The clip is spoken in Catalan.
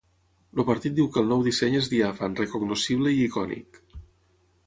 El partit diu que el nou disseny és ‘diàfan, recognoscible i icònic’.